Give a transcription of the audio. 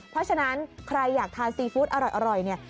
เพราะฉะนั้นใครอยากทานซีฟู้ดอร่อยเนี่ย